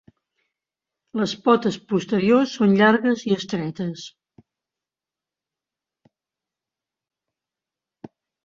Les potes posteriors són llargues i estretes.